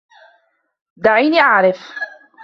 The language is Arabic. دعيني أعرف!